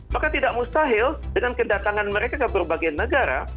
maka tidak mustahil dengan kedatangan mereka ke berbagai negara